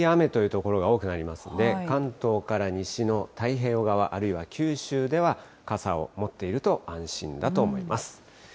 所により雨という所が多くなりますので、関東から西の太平洋側、あるいは九州では、傘を持っていると安心だと思います。